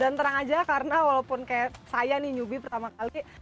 dan tenang aja karena walaupun kayak saya nih nyubi pertama kali